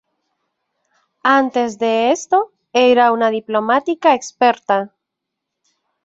Antes de esto, era una diplomática experta.